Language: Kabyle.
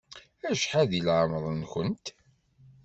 Acḥal di lɛemeṛ-nkent?